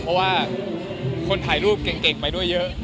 เพราะว่าคนถ่ายรูปเก่งไปด้วยเยอะ